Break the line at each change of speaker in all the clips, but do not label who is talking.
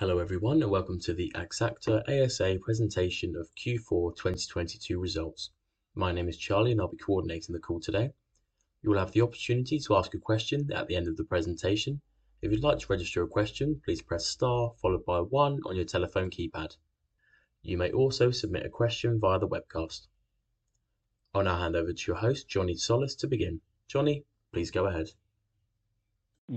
Hello everyone, and welcome to the Axactor ASA presentation of Q4 2022 results. My name is Charlie, and I'll be coordinating the call today. You will have the opportunity to ask a question at the end of the presentation. If you'd like to register a question, please press star followed by one on your telephone keypad. You may also submit a question via the webcast. I'll now hand over to your host, Johnny Tsolis, to begin. Johnny, please go ahead.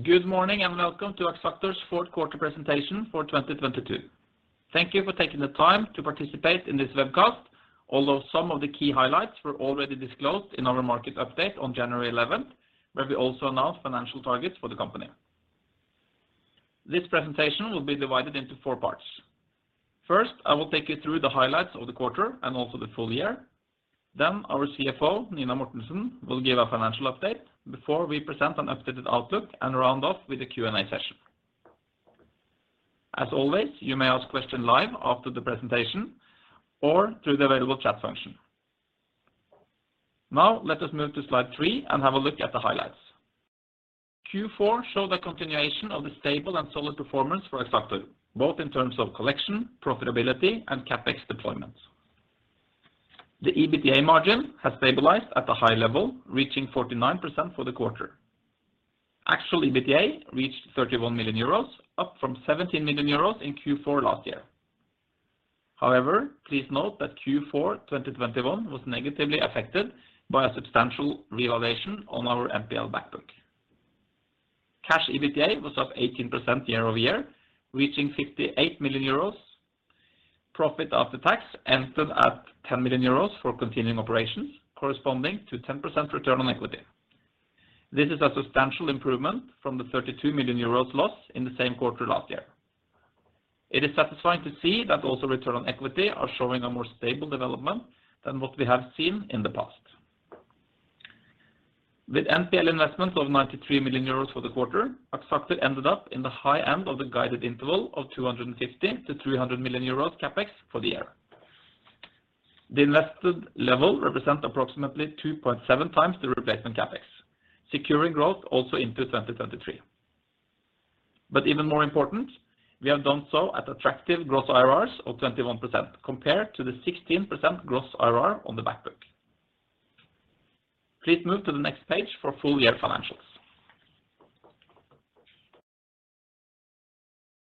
Good morning and welcome to Axactor's fourth quarter presentation for 2022. Thank you for taking the time to participate in this webcast, although some of the key highlights were already disclosed in our market update on January 11th, where we also announced financial targets for the company. This presentation will be divided into four parts. First, I will take you through the highlights of the quarter and also the full year. Our CFO, Nina Mortensen, will give a financial update before we present an updated outlook and round off with a Q&A session. As always, you may ask question live after the presentation or through the available chat function. Now let us move to slide three and have a look at the highlights. Q4 show the continuation of the stable and solid performance for Axactor, both in terms of collection, profitability, and CapEx deployment. The EBITDA margin has stabilized at a high level, reaching 49% for the quarter. Actual EBITDA reached 31 million euros, up from 17 million euros in Q4 last year. Please note that Q4 2021 was negatively affected by a substantial reevaluation on our NPL back book. Cash EBITDA was up 18% year-over-year, reaching 58 million euros. Profit after tax ended at 10 million euros for continuing operations, corresponding to 10% return on equity. This is a substantial improvement from the 32 million euros loss in the same quarter last year. It is satisfying to see that also return on equity are showing a more stable development than what we have seen in the past. With NPL investments of 93 million euros for the quarter, Axactor ended up in the high end of the guided interval of 250 million- 300 million euros CapEx for the year. The invested level represent approximately 2.7 times the replacement CapEx, securing growth also into 2023. Even more important, we have done so at attractive gross IRRs of 21% compared to the 16% gross IRR on the back book. Please move to the next page for full year financials.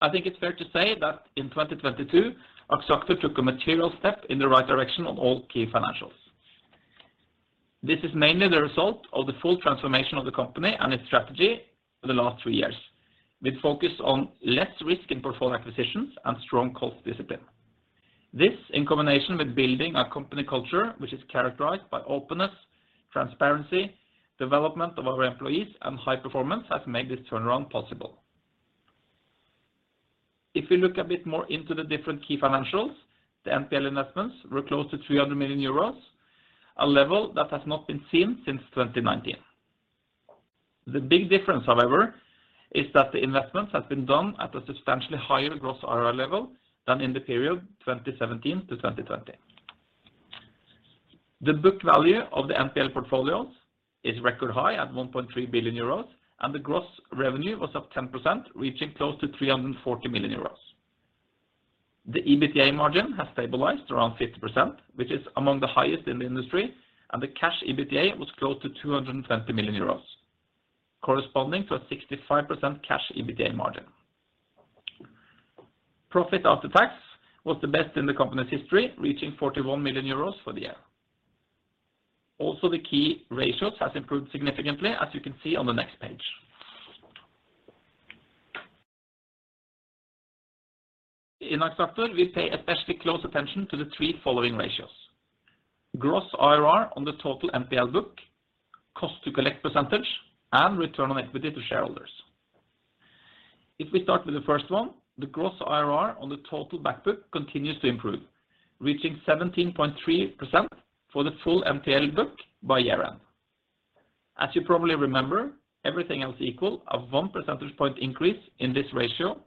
I think it's fair to say that in 2022, Axactor took a material step in the right direction on all key financials. This is mainly the result of the full transformation of the company and its strategy for the last 3 years, with focus on less risk in perform acquisitions and strong cost discipline. This, in combination with building a company culture which is characterized by openness, transparency, development of our employees, and high performance, has made this turnaround possible. If we look a bit more into the different key financials, the NPL investments were close to 300 million euros, a level that has not been seen since 2019. The big difference, however, is that the investments have been done at a substantially higher gross IRR level than in the period 2017-2020. The book value of the NPL portfolios is record high at 1.3 billion euros, and the gross revenue was up 10%, reaching close to 340 million euros. The EBITDA margin has stabilized around 50%, which is among the highest in the industry, and the Cash EBITDA was close to 220 million euros, corresponding to a 65% Cash EBITDA margin. Profit after tax was the best in the company's history, reaching 41 million euros for the year. Also, the key ratios has improved significantly, as you can see on the next page. In Axactor, we pay especially close attention to the three following ratios. gross IRR on the total NPL book, cost to collect percentage, and return on equity to shareholders. If we start with the first one, the gross IRR on the total back book continues to improve, reaching 17.3% for the full NPL book by year end. As you probably remember, everything else equal, a 1 percentage point increase in this ratio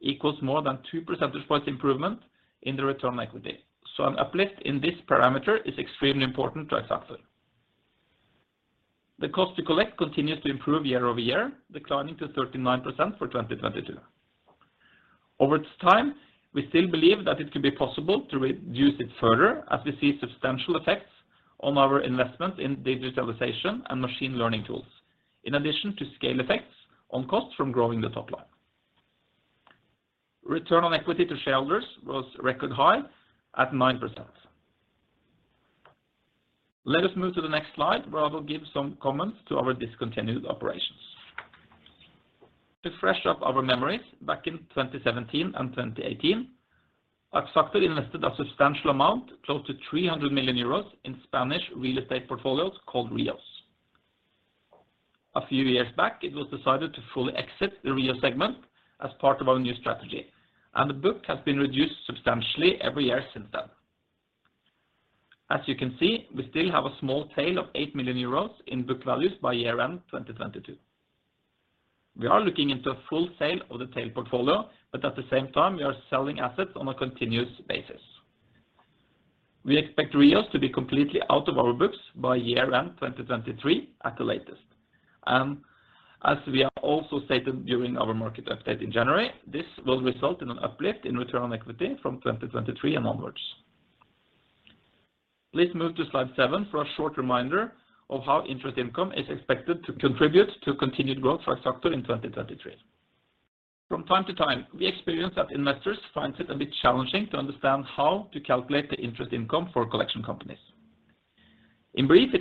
equals more than 2 percentage points improvement in the return on equity. An uplift in this parameter is extremely important to Axactor. The cost to collect continues to improve year-over-year, declining to 39% for 2022. Over this time, we still believe that it can be possible to reduce it further as we see substantial effects on our investment in digitalization and machine learning tools, in addition to scale effects on cost from growing the top line. Return on equity to shareholders was record high at 9%. Let us move to the next slide, where I will give some comments to our discontinued operations. To fresh up our memories, back in 2017 and 2018, Axactor invested a substantial amount, close to 300 million euros, in Spanish real estate portfolios called REOs. A few years back, it was decided to fully exit the REO segment as part of our new strategy, and the book has been reduced substantially every year since then. As you can see, we still have a small tail of 8 million euros in book values by year end 2022. We are looking into a full sale of the tail portfolio, but at the same time, we are selling assets on a continuous basis. We expect REOs to be completely out of our books by year end 2023 at the latest. As we have also stated during our market update in January, this will result in an uplift in return on equity from 2023 and onwards. Please move to slide seven for a short reminder of how interest income is expected to contribute to continued growth for Axactor in 2023. From time to time, we experience that investors finds it a bit challenging to understand how to calculate the interest income for collection companies. It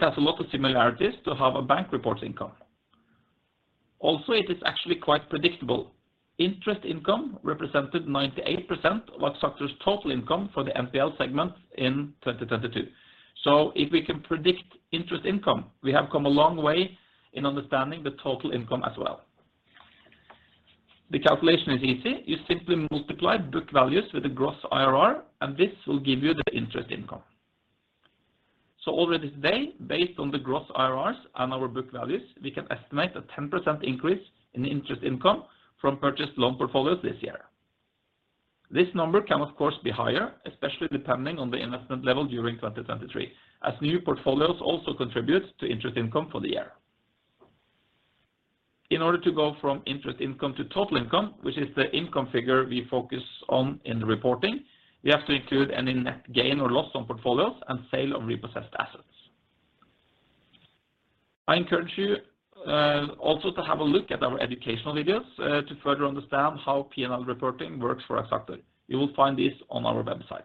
is actually quite predictable. Interest income represented 98% of Axactor's total income for the NPL segment in 2022. If we can predict interest income, we have come a long way in understanding the total income as well. The calculation is easy. You simply multiply book values with the gross IRR, and this will give you the interest income. Already today, based on the gross IRRs and our book values, we can estimate a 10% increase in interest income from purchased loan portfolios this year. This number can, of course, be higher, especially depending on the investment level during 2023, as new portfolios also contribute to interest income for the year. In order to go from interest income to total income, which is the income figure we focus on in the reporting, we have to include any net gain or loss on portfolios and sale of repossessed assets. I encourage you, also to have a look at our educational videos, to further understand how P&L reporting works for Axactor. You will find this on our website.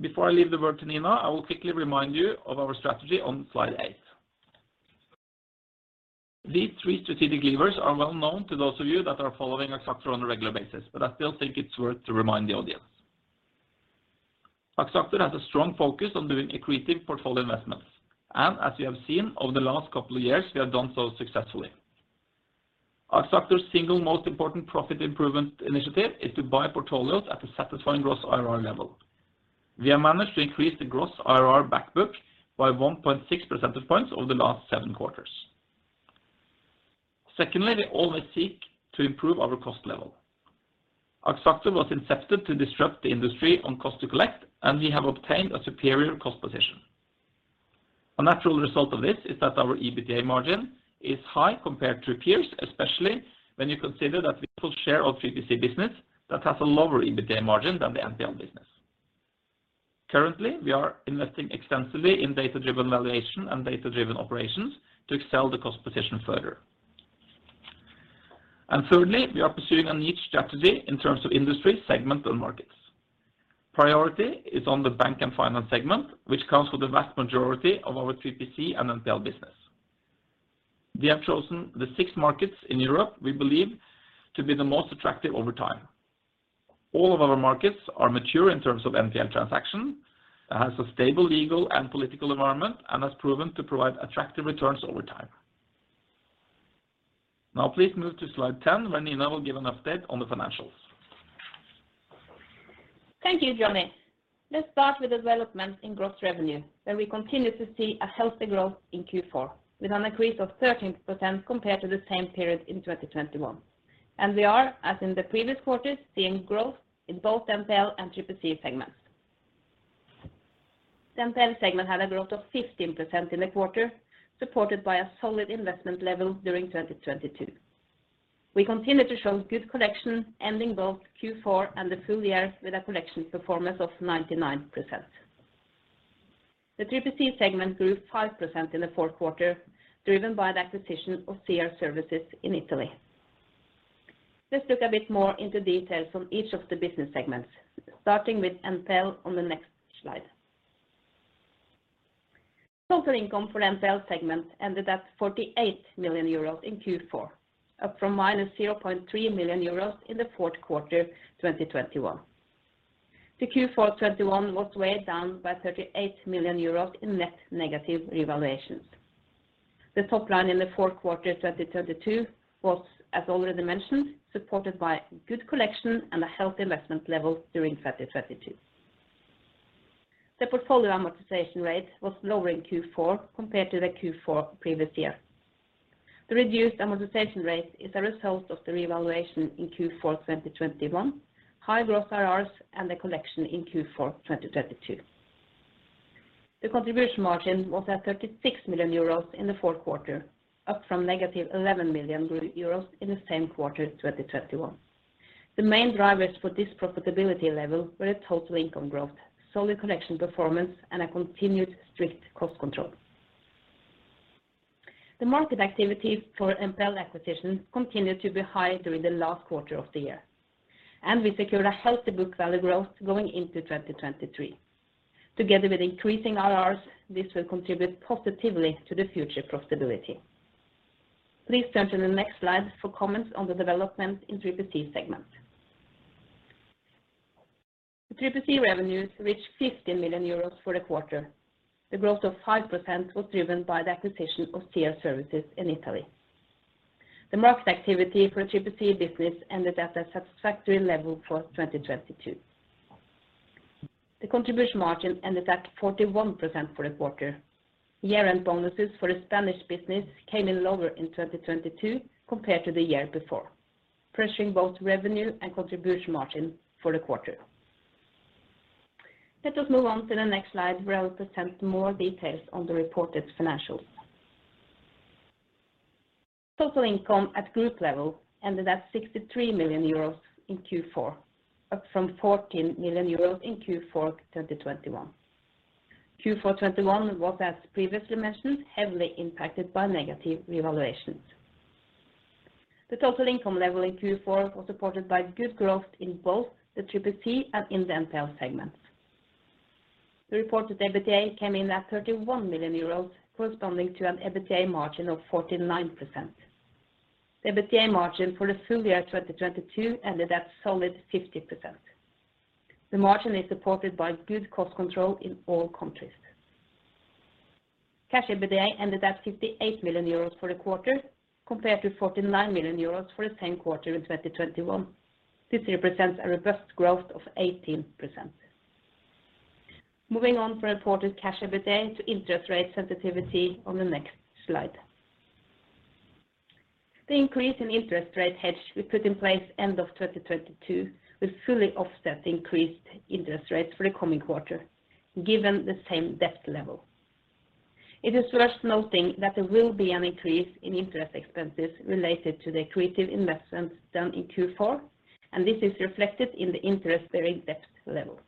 Before I leave the word to Nina, I will quickly remind you of our strategy on slide 8. These three strategic levers are well known to those of you that are following Axactor on a regular basis, I still think it's worth to remind the audience. Axactor has a strong focus on doing accretive portfolio investments, as you have seen over the last couple of years, we have done so successfully. Axactor's single most important profit improvement initiative is to buy portfolios at a satisfying gross IRR level. We have managed to increase the gross IRR back book by 1.6 percentage points over the last seven quarters. We always seek to improve our cost level. Axactor was incepted to disrupt the industry on cost to collect, we have obtained a superior cost position. A natural result of this is that our EBITDA margin is high compared to peers, especially when you consider that we pull share of TPC business that has a lower EBITDA margin than the NPL business. Currently, we are investing extensively in data-driven valuation and data-driven operations to excel the cost position further. Thirdly, we are pursuing a niche strategy in terms of industry segment and markets. Priority is on the bank and finance segment, which counts for the vast majority of our TPC and NPL business. We have chosen the six markets in Europe we believe to be the most attractive over time. All of our markets are mature in terms of NPL transaction, has a stable, legal and political environment, and has proven to provide attractive returns over time. Please move to slide 10, where Nina will give an update on the financials.
Thank you, Johnny. Let's start with the development in gross revenue, where we continue to see a healthy growth in Q4, with an increase of 13% compared to the same period in 2021. We are, as in the previous quarters, seeing growth in both NPL and TPC segments. NPL segment had a growth of 15% in the quarter, supported by a solid investment level during 2022. We continue to show good collection ending both Q4 and the full year with a collection performance of 99%. The TPC segment grew 5% in the fourth quarter, driven by the acquisition of CR Services in Italy. Let's look a bit more into details on each of the business segments, starting with NPL on the next slide. Total income for NPL segment ended at 48 million euros in Q4, up from negative 0.3 million euros in the fourth quarter 2021. The Q4 2021 was weighed down by 38 million euros in net negative revaluations. The top line in the fourth quarter 2022 was as already mentioned, supported by good collection and a healthy investment level during 2022. The portfolio amortization rate was lower in Q4 compared to the Q4 previous year. The reduced amortization rate is a result of the revaluation in Q4 2021, high gross IRRs and the collection in Q4 2022. The contribution margin was at 36 million euros in the fourth quarter, up from negative 11 million euros in the same quarter 2021. The main drivers for this profitability level were a total income growth, solid collection performance, and a continued strict cost control. The market activities for NPL acquisition continued to be high during the last quarter of the year. We secured a healthy book value growth going into 2023. Together with increasing IRRs, this will contribute positively to the future profitability. Please turn to the next slide for comments on the development in TPC segment. The TPC revenues reached 50 million euros for the quarter. The growth of 5% was driven by the acquisition of CR Services in Italy. The market activity for TPC business ended at a satisfactory level for 2022. The contribution margin ended at 41% for the quarter. Year-end bonuses for the Spanish business came in lower in 2022 compared to the year before, pressuring both revenue and contribution margin for the quarter. Let us move on to the next slide where I will present more details on the reported financials. Total income at group level ended at 63 million euros in Q4, up from 14 million euros in Q4 2022. Q4 2021 was, as previously mentioned, heavily impacted by negative revaluations. The total income level in Q4 was supported by good growth in both the TPC and in the NPL segments. The reported EBITDA came in at EUR 31 million, corresponding to an EBITDA margin of 49%. The EBITDA margin for the full year 2022 ended at solid 50%. The margin is supported by good cost control in all countries. Cash EBITDA ended at 58 million euros for the quarter, compared to 49 million euros for the same quarter in 2022. This represents a robust growth of 18%. Moving on from reported Cash EBITDA to interest rate sensitivity on the next slide. The increase in interest rate hedge we put in place end of 2022 will fully offset the increased interest rates for the coming quarter, given the same debt level. It is worth noting that there will be an increase in interest expenses related to the creative investments done in Q4, and this is reflected in the interest bearing debt level.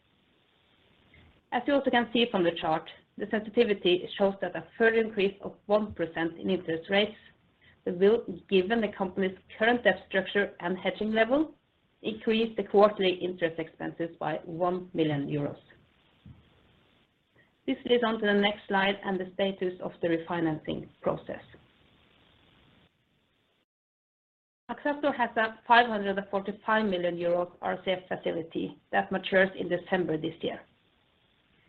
As you also can see from the chart, the sensitivity shows that a further increase of 1% in interest rates will, given the company's current debt structure and hedging level, increase the quarterly interest expenses by 1 million euros. This leads on to the next slide and the status of the refinancing process. Axactor has a 545 million euro RCF facility that matures in December this year.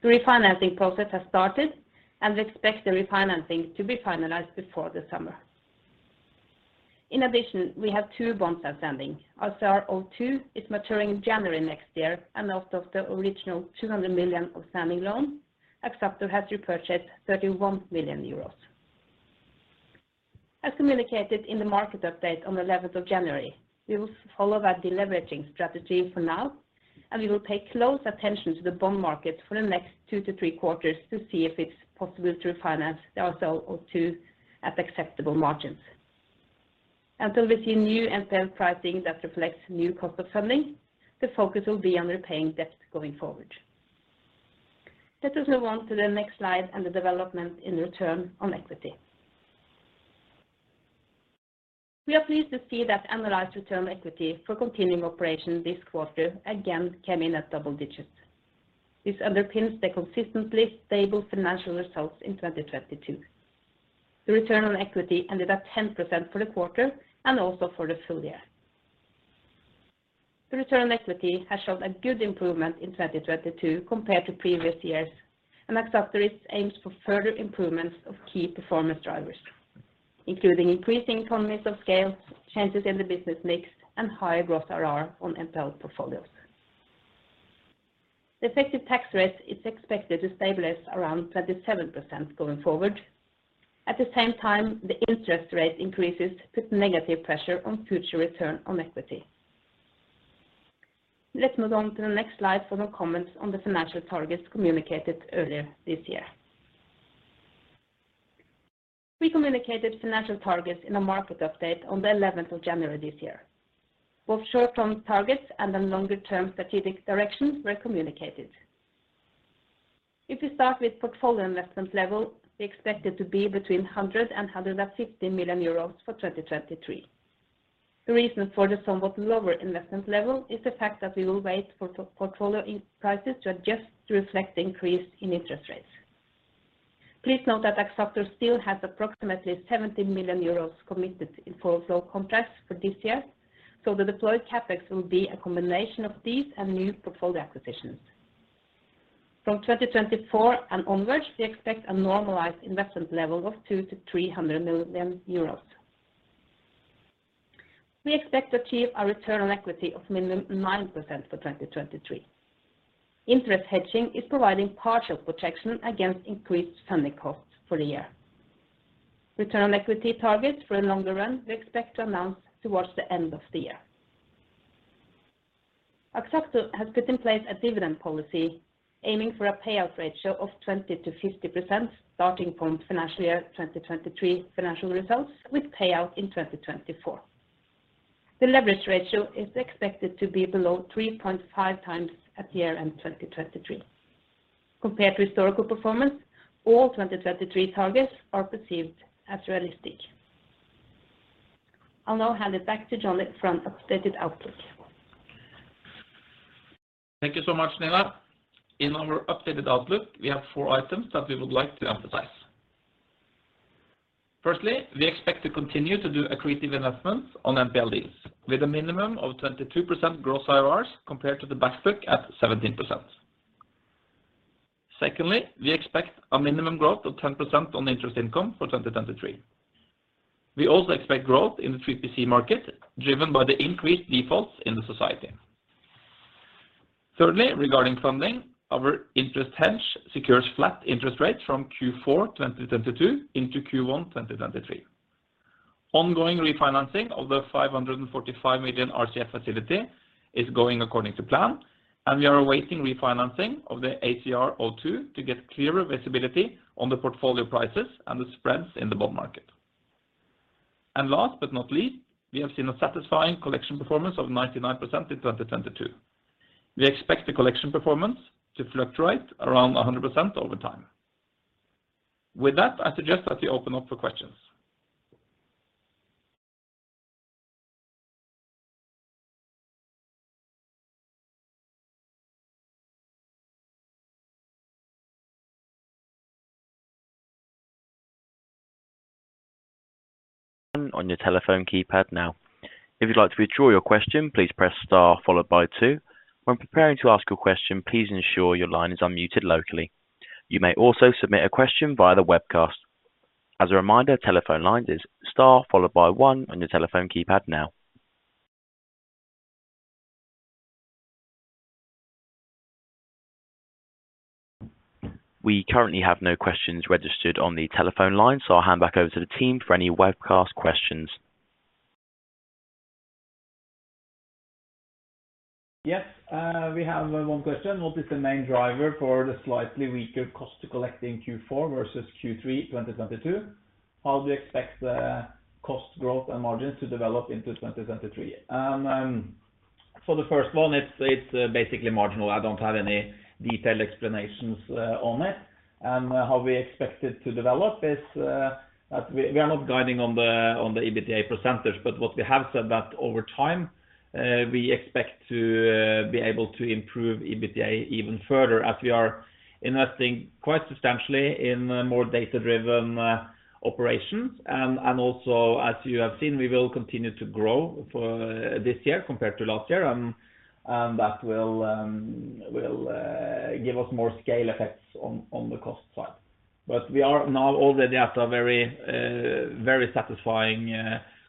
The refinancing process has started. We expect the refinancing to be finalized before the summer. In addition, we have two bonds outstanding. ACR02 is maturing in January next year. Out of the original 200 million outstanding loan, Axactor has repurchased 31 million euros. As communicated in the market update on the 11th of January, we will follow that deleveraging strategy for now. We will pay close attention to the bond market for the next two-three quarters to see if it's possible to refinance the ACR02 at acceptable margins. Until we see new NPL pricing that reflects new cost of funding, the focus will be on repaying debt going forward. Let us move on to the next slide and the development in return on equity. We are pleased to see that analyzed return on equity for continuing operation this quarter again came in at double digits. This underpins the consistently stable financial results in 2022. The return on equity ended at 10% for the quarter and also for the full year. The return on equity has shown a good improvement in 2022 compared to previous years. Axactor aims for further improvements of key performance drivers, including increasing economies of scale, changes in the business mix, and higher gross IRR on NPL portfolios. The effective tax rate is expected to stabilize around 37% going forward. At the same time, the interest rate increases put negative pressure on future return on equity. Let's move on to the next slide for more comments on the financial targets communicated earlier this year. We communicated financial targets in a market update on the 11th of January this year. Both short-term targets and the longer-term strategic directions were communicated. If you start with portfolio investment level, we expect it to be between 100 million euros and 150 million euros for 2023. The reason for the somewhat lower investment level is the fact that we will wait for portfolio prices to adjust to reflect the increase in interest rates. Please note that Axactor still has approximately 70 million euros committed for flow contracts for this year, so the deployed CapEx will be a combination of these and new portfolio acquisitions. From 2024 and onwards, we expect a normalized investment level of 200 million to 300 million euros. We expect to achieve a return on equity of minimum 9% for 2023. Interest hedging is providing partial protection against increased funding costs for the year. Return on equity targets for the longer run, we expect to announce towards the end of the year. Axactor has put in place a dividend policy aiming for a payout ratio of 20%-50% starting from financial year 2023 financial results with payout in 2024. The leverage ratio is expected to be below 3.5 times at the year end 2023. Compared to historical performance, all 2023 targets are perceived as realistic. I'll now hand it back to Johnny from updated outlook.
Thank you so much, Nina. In our updated outlook, we have four items that we would like to emphasize. We expect to continue to do accretive investments on NPL deals with a minimum of 22% gross IRRs compared to the back book at 17%. We expect a minimum growth of 10% on interest income for 2023. We also expect growth in the 3PC market driven by the increased defaults in the society. Regarding funding, our interest hedge secures flat interest rates from Q4 2022 into Q1 2022. Ongoing refinancing of the 545 million RCF facility is going according to plan, and we are awaiting refinancing of the ACR02 to get clearer visibility on the portfolio prices and the spreads in the bond market. Last but not least, we have seen a satisfying collection performance of 99% in 2022. We expect the collection performance to fluctuate around 100% over time. With that, I suggest that we open up for questions.
On your telephone keypad now. If you'd like to withdraw your question, please press star followed by two. When preparing to ask a question, please ensure your line is unmuted locally. You may also submit a question via the webcast. As a reminder, telephone line is star followed by one on your telephone keypad now. We currently have no questions registered on the telephone line, I'll hand back over to the team for any webcast questions.
Yes, we have one question. What is the main driver for the slightly weaker cost to collect in Q4 versus Q3 2022? How do you expect the cost growth and margins to develop into 2023? For the first one, it's basically marginal. I don't have any detailed explanations on it. How we expect it to develop is as we are not guiding on the EBITDA percentage. What we have said that over time, we expect to be able to improve EBITDA even further as we are investing quite substantially in more data-driven operations. Also, as you have seen, we will continue to grow for this year compared to last year, and that will give us more scale effects on the cost side. We are now already at a very, very satisfying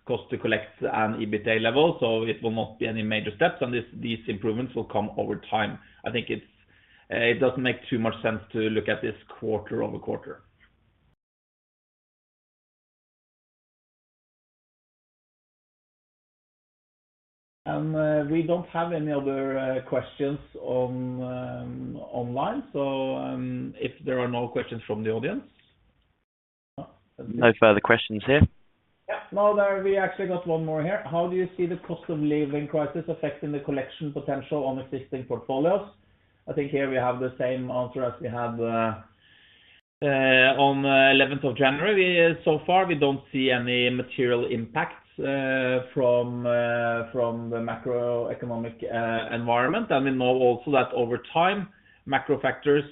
cost to collect and EBITDA level. It will not be any major steps. These improvements will come over time. I think it doesn't make too much sense to look at this quarter-over-quarter. We don't have any other questions on online. If there are no questions from the audience.
No further questions here.
Yeah. No, we actually got one more here. How do you see the cost of living crisis affecting the collection potential on existing portfolios? I think here we have the same answer as we had on 11th of January. So far, we don't see any material impacts from the macroeconomic environment. We know also that over time, macro factors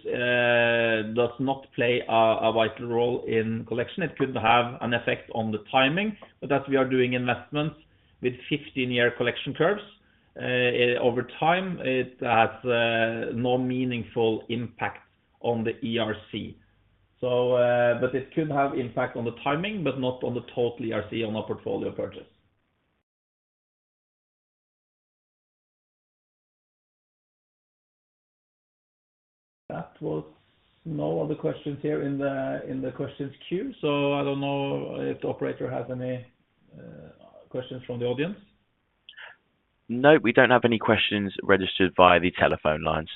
does not play a vital role in collection. It could have an effect on the timing. As we are doing investments with 15-year collection curves, over time, it has no meaningful impact on the ERC. It could have impact on the timing, but not on the total ERC on our portfolio purchase. That was no other questions here in the questions queue. I don't know if the operator has any questions from the audience.
No, we don't have any questions registered via the telephone lines.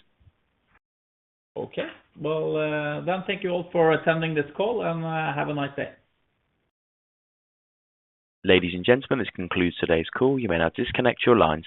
Okay. Well, thank you all for attending this call, and have a nice day.
Ladies and gentlemen, this concludes today's call. You may now disconnect your lines.